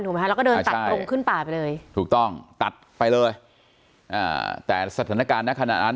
แล้วก็เดินตัดตรงขึ้นป่าไปเลยถูกต้องตัดไปเลยอ่าแต่สถานการณ์ในขณะนั้น